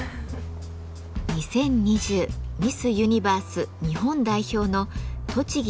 ２０２０ミス・ユニバース日本代表の杤木愛シャ暖望さん。